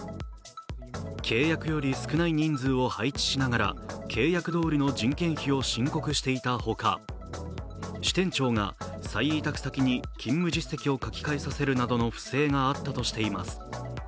契約より少ない人数を配置しながら契約どおりの人件費を申告していたほか支店長が再委託先に勤務実績を書き換えさせるなどの不正があったとしています。